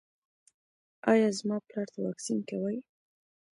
ایا زما پلار ته واکسین کوئ؟